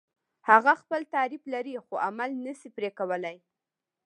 هغه خپل تعریف لري خو عمل نشي پرې کولای.